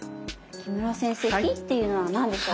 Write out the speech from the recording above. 木村先生「脾」っていうのは何でしょうか？